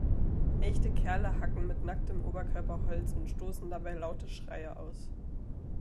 Echte Kerle hacken mit nacktem Oberkörper Holz und stoßen dabei laute Schreie aus.